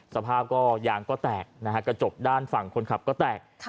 สภาพก็ยางก็แตกนะฮะกระจกด้านฝั่งคนขับก็แตก